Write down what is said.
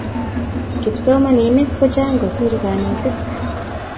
kipsomaninik kochang kosir kanetik